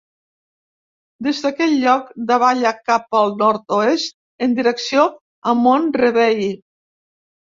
Des d'aquell lloc davalla cap al nord-oest, en direcció a Mont-rebei.